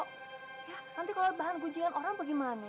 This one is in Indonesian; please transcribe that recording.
ya nanti kalau bahan kunjungan orang apa gimana